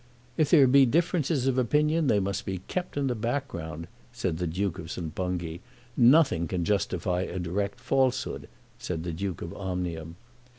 "If there be differences of opinion they must be kept in the background," said the Duke of St. Bungay. "Nothing can justify a direct falsehood," said the Duke of Omnium.